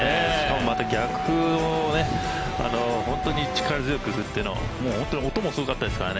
また、逆風を本当に力強く振っての音もすごかったですからね。